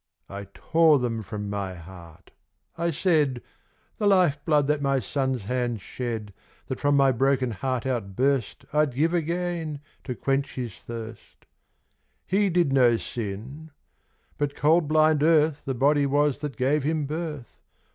1 tore them from my heart. 1 said : 'The lite blood that my sou's hand shed, That from my broken heart outburst igain, to quench his thirst. 1 no sin. I tut cold blind earth The body was that gave him birth.